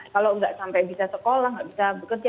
kalau nggak sampai bisa sekolah nggak bisa bekerja